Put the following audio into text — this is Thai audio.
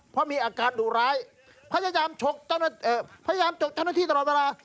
เพราะมีอาการดุร้ายพยายามฉกเจ้าหน้าที่ตลอดเวลา